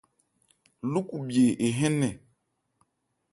Lúkubhye ehɛ́n nnɛn.